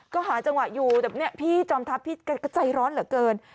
ก็หาจังหวะอยู่แบบนี้พี่จอมทัพพี่ก็ใจร้อนเหลือเกิน